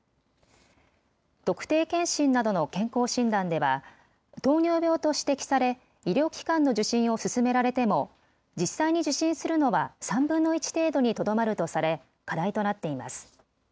特定健診などの健康診断では糖尿病と指摘され医療機関の受診を勧められても実際に受診するのは３分の１程度にとどまるとされ課題となっています。